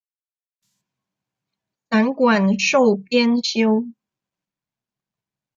散馆授编修。